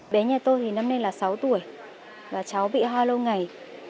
bé nhà tôi năm nay là sáu tuổi và cháu bị hoa lâu ngày